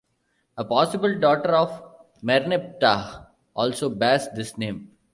A possible daughter of Merneptah also bears this name.